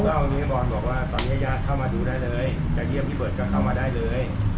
แล้ววันนี้บอลบอกว่าตอนนี้ญาติเข้ามาดูได้เลยจะเยี่ยมพี่เบิร์ดกับเขามาได้เลย